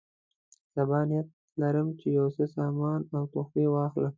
سبا نیت لرم یو څه سامان او تحفې واخلم.